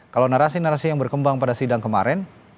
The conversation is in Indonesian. kalau narasi narasi yang berkembang pada sidang kemarin